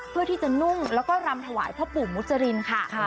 เพื่อที่จะนุ่งแล้วก็รำถวายพ่อปู่มุจรินค่ะ